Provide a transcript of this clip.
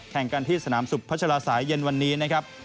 แข่งกันที่สนามสุขพัชลาสายเย็นวันนี้นะครับ